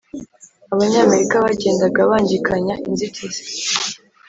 abanyamerika bagendaga bungikanya inzitizi.